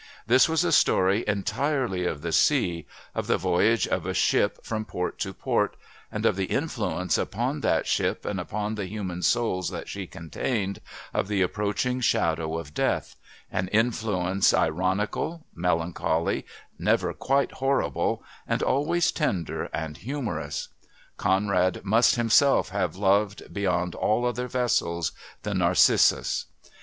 This was a story entirely of the sea, of the voyage of a ship from port to port and of the influence upon that ship and upon the human souls that she contained, of the approaching shadow of death, an influence ironical, melancholy, never quite horrible, and always tender and humorous. Conrad must himself have loved, beyond all other vessels, the Narcissus.